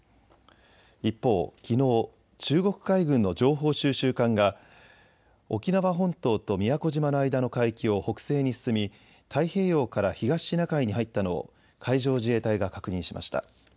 一方、きのう中国海軍の情報収集艦が沖縄本島と宮古島の間の海域を北西に進み太平洋から東シナ海に入ったのを海上自衛隊が確認しました。